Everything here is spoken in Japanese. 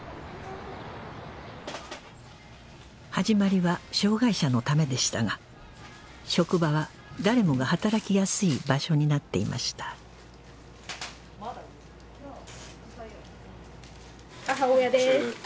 始まりは障害者のためでしたが職場は誰もが働きやすい場所になっていました母親です。